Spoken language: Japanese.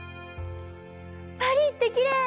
パリってきれい！